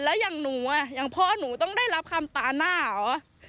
แล้วอย่างหนูอ่ะอย่างพ่อหนูต้องได้รับคำตาหน้าเหรอ